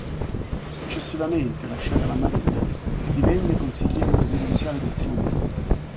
Successivamente, lasciata la Marina, divenne consigliere presidenziale di Truman.